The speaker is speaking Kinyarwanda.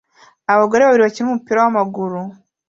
Abagore babiri bakina umupira wamaguru